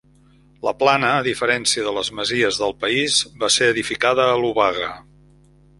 La Plana, a diferència de les masies del país, va ser edificada a l'obaga.